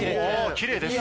きれいです。